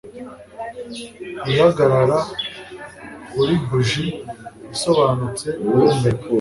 ihagarara kuri buji isobanutse uhumeka